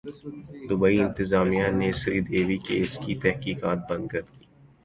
Dubai انتظامیہ نے Sridevi case کی تحقیقات بند کردی